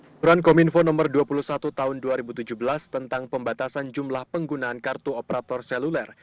peraturan kominfo nomor dua puluh satu tahun dua ribu tujuh belas tentang pembatasan jumlah penggunaan kartu operator seluler